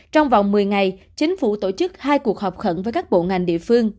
trong vòng một mươi ngày chính phủ tổ chức hai cuộc họp khẩn với các bộ ngành địa phương